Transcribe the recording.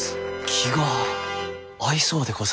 気が合いそうでござるなあ。